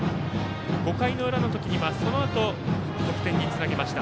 ５回の裏の時にはそのあと得点につなげました。